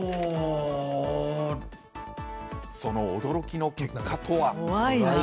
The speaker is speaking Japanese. その驚きの結果とは。